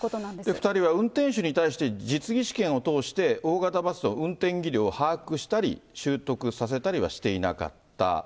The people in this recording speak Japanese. ２人は運転手に対して、実技試験を通して大型バスの運転技量を把握したり、習得させたりはしていなかった。